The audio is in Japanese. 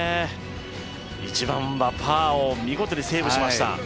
１番はパーを見事にセーブしました。